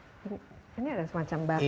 ini ada semacam baki